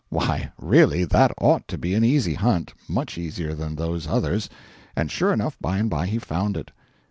Why, really, that ought to be an easy hunt much easier than those others. And sure enough, by and by he found it.